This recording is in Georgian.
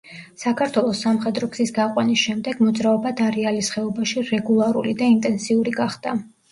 საქართველოს სამხედრო გზის გაყვანის შემდეგ მოძრაობა დარიალის ხეობაში რეგულარული და ინტენსიური გახდა.